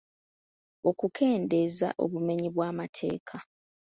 Okukendeeza obumenyi bw’amateeka.